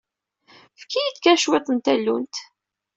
Efk-iyi-d kan cwiṭ n tallunt.